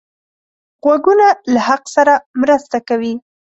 غوږونه له حق سره مرسته کوي